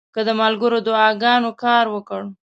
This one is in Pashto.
که د ملګرو دعاګانو کار ورکړ.